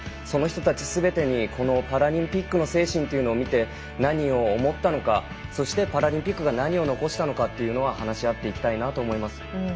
その人たちすべてにこのパラリンピックの精神というのを見て何を思ったのかそして、パラリンピックが何を残したのかというのは話し合っていきたいなと思います。